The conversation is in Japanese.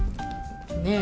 ねえ。